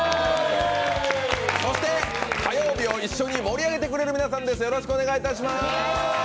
そして火曜日を一緒に盛り上げてくれる皆さんです。